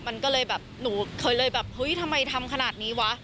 มันก็เลยแบบหนูเคยเลยแบบเฮ้ยทำไมทำขนาดนี้วะ